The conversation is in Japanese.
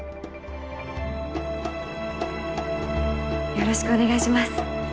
よろしくお願いします